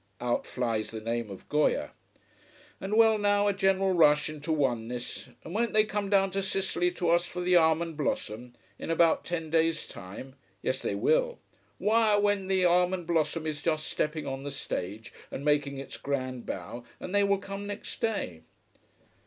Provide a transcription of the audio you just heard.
Out flies the name of Goya. And well now, a general rush into oneness, and won't they come down to Sicily to us for the almond blossom: in about ten days' time. Yes they will wire when the almond blossom is just stepping on the stage and making its grand bow, and they will come next day.